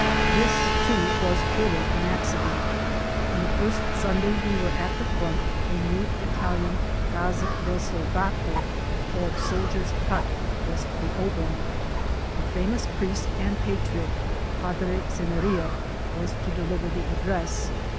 This, too, was purely an accident. On the first Sunday we were at the front, a new Italian Casa del Soldato, or soldier's hut, was to be opened. The famous priest and patriot, Padre Semeria, was to deliver the ad dress.